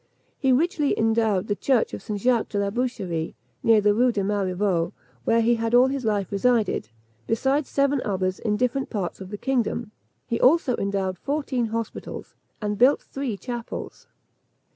He richly endowed the church of St. Jacques de la Boucherie, near the Rue de Marivaux, where he had all his life resided, besides seven others in different parts of the kingdom. He also endowed fourteen hospitals, and built three chapels.